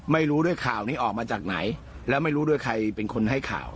ไม่รู้ด้วยข่าวนี้ออกมาจากไหนแล้วไม่รู้ด้วยใครเป็นคนให้ข่าว